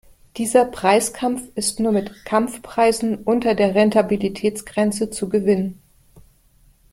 Dieser Preiskampf ist nur mit Kampfpreisen unter der Rentabilitätsgrenze zu gewinnen.